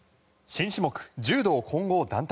新種目、柔道混合団体。